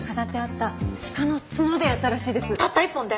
たった一本で？